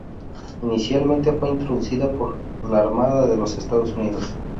Inicialmente fue introducida por la Armada de los Estados Unidos.